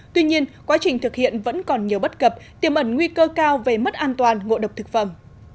tuy nhiên quá trình thực hiện vẫn còn nhiều bất cập tiềm ẩn nguy cơ cao về mất an toàn ngộ độc thực phẩm